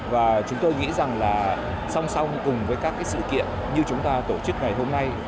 và chúng tôi nghĩ rằng là song song cùng với các sự kiện như chúng ta tổ chức ngày hôm nay